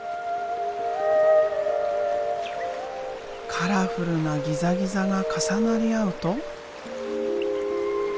カラフルなギザギザが重なり合うと。